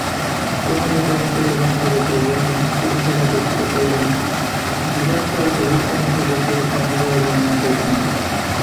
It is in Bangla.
ক্রমাগত অন্তরের অন্তরে যাইয়া মহাপুরুষেরা দেখিতে পাইলেন, জীবাত্মার গভীরতম প্রদেশেই সমুদয় ব্রহ্মাণ্ডের কেন্দ্র।